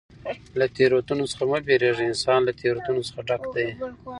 له تېروتنو څخه مه بېرېږه! انسان له تېروتنو څخه ډګ دئ.